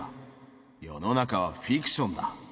世の中はフィクションだ。